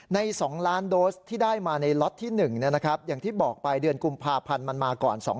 ใน๒ล้านโดสที่ได้มาในล็อตที่๑เนี่ยนะครับอย่างที่บอกปลายเดือนกุมภาพันธุ์มันมาก่อน